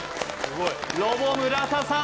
ロボ村田さん